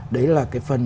đấy là cái phần